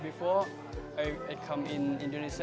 sebelum saya datang ke indonesia